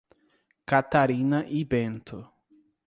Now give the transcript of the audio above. Catarina e Bento